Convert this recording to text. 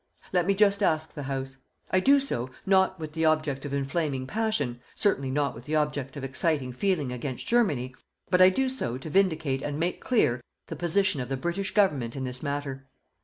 Let me just ask the House. I do so, not with the object of inflaming passion, certainly not with the object of exciting feeling against Germany, but I do so to vindicate and make clear the position of the British Government in this matter.